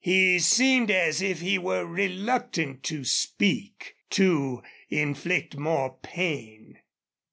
He seemed as if he were reluctant to speak, to inflict more pain.